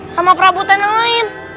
sama perabotan yang lain